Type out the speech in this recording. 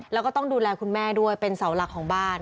แล้วก็ต้องดูแลคุณแม่ด้วยเป็นเสาหลักของบ้าน